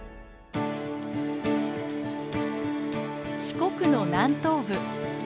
四国の南東部。